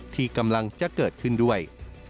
ที่กำลังจะเกิดขึ้นด้วย